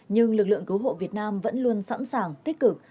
nhưng lực lượng cứu hộ việt nam vẫn luôn sẵn sàng tích cực